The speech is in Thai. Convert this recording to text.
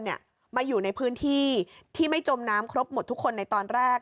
ชีวิตโลกประเทศเนี่ยมาอยู่ในพื้นที่ที่ไม่จมน้ำครบหมดทุกคนในตอนแรก